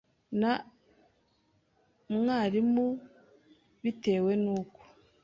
ne na mwarimu bitewe n uko